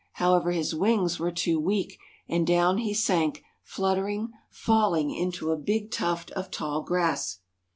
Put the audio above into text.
However, his wings were too weak, and down he sank fluttering, falling into a big tuft of tall grass.